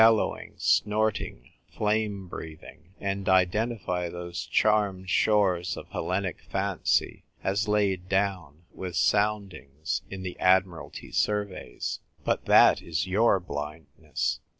1 5 lowing, snorting, flame breathing — and identify those charmed shores of Hellenic fancy, as laid down, with soundings, in the Admiralty surveys. But that is your blindness.